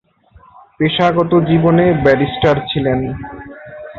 পেশাগত জীবনে ব্যারিস্টার ছিলেন।